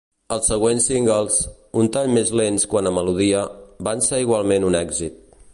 Els següents singles, d'un tall més lent quant a melodia, van ser igualment un èxit.